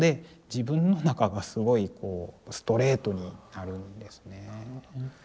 自分の中がすごいこうストレートになるんですね。